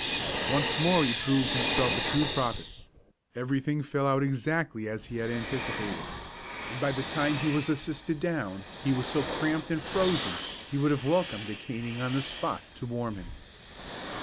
Once more he proved himself a true prophet. Everything fell out exactly as he had anticipated. And by the time he was assisted down he was so cramped and frozen he would have welcomed a caning on the spot to warm him.